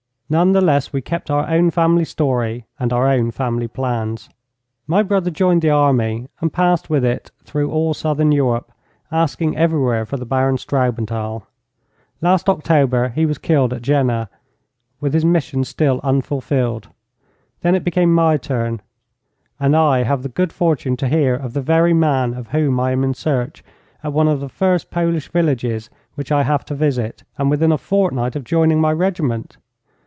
None the less, we kept our own family story and our own family plans. 'My brother joined the army, and passed with it through all Southern Europe, asking everywhere for the Baron Straubenthal. Last October he was killed at Jena, with his mission still unfulfilled. Then it became my turn, and I have the good fortune to hear of the very man of whom I am in search at one of the first Polish villages which I have to visit, and within a fortnight of joining my regiment.